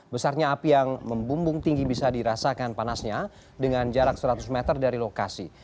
besarnya api yang membumbung tinggi bisa dirasakan panasnya dengan jarak seratus meter dari lokasi